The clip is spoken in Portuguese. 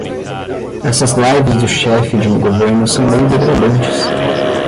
Essas lives do chefe de governo são meio degradantes